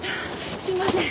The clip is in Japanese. すいません。